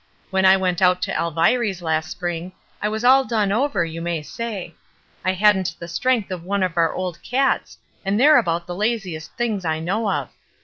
When I went out to Alviry's last spring, I was all done over, you may say. I hadn't the strength of one of our old cats, and they're about the laziest things I know of.